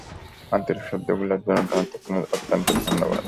আন্তরিক শব্দগুলোর জন্য অত্যন্ত ধন্যবাদ।